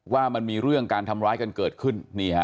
ว่ามันมีเรื่องการทำร้ายกันเกิดขึ้น